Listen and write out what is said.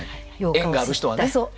縁がある人はねうん。